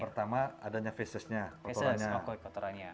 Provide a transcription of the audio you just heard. pertama adanya fesisnya kotorannya